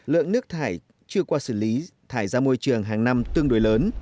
lượng nước thải chưa qua xử lý thải ra môi trường hàng năm tương đối lớn